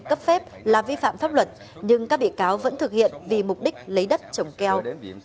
cấp phép là vi phạm pháp luật nhưng các bị cáo vẫn thực hiện vì mục đích lấy đất trồng keo